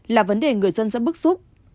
là vấn đề người dân rất bức xúc